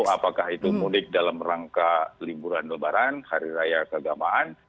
apakah itu mudik dalam rangka liburan lebaran hari raya keagamaan